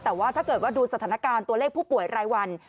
แต่ว่าถ้าเกิดว่าดูสถานการณ์ตัวเลขผู้ป่วยรายวัน